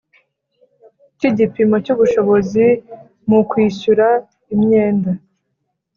Cy Igipimo Cy Ubushobozi Mu Kwishyura Imyenda